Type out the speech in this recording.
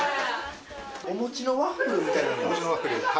お餅のワッフルみたいなのあります？